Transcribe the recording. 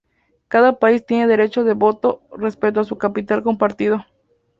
Cada país tiene derecho de voto respecto a su capital compartido.